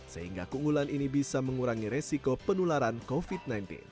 sehingga keunggulan ini bisa mengurangi resiko penularan covid sembilan belas